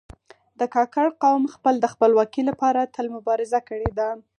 د کاکړ قوم خلک د خپلواکي لپاره تل مبارزه کړې ده.